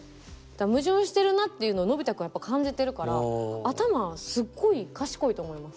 矛盾してるなっていうのをのび太君はやっぱり感じてるから頭すごい賢いと思います。